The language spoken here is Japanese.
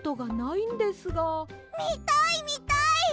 みたいみたい！